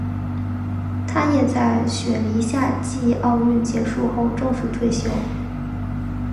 他也在雪梨夏季奥运结束后正式退休。